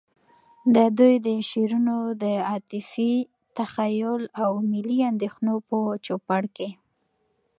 د دوی د شعرونو د عاطفی، تخیّل، او ملی اندیښنو په چو پړ کي